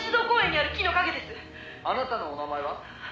「あなたのお名前は？」